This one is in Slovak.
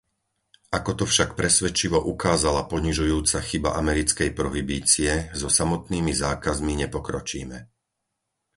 Ako to však presvedčivo ukázala ponižujúca chyba americkej prohibície, so samotnými zákazmi nepokročíme.